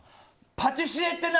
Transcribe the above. パティシエって何？